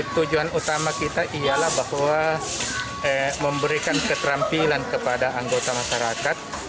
tujuan utama kita ialah bahwa memberikan keterampilan kepada anggota masyarakat